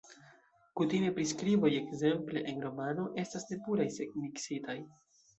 Kutime priskriboj, ekzemple en romano, estas ne puraj sed miksitaj.